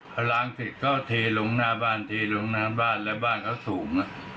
พอล้างเสร็จก็เทลงหน้าบ้านเทลงหน้าบ้านแล้วบ้านเขาสูง